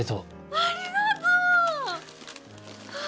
ありがとう！ああ。